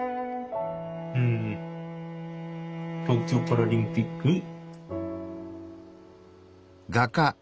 うん東京パラリンピック。